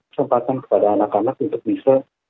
kesempatan kepada anak anak untuk bisa